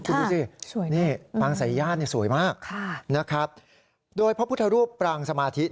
คุณดูสินี่ปรางสายญาติสวยมากนะครับโดยพระพุทธรูปปรางสมาธิ